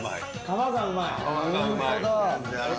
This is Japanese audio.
皮がうまい。